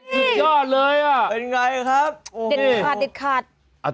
สุดยอดเลยอ่ะเป็นไงครับติดขัดติดขัด